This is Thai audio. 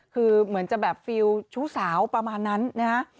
คือเหมือนจะแบบฟิลชู้สาวประมาณนั้นนะฮะ